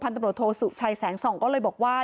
พันธบรโทษสุชัยแสงส่องก็เลยบอกว่า